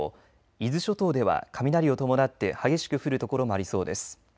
伊豆諸島では雷を伴って激しく降る所もありそうです。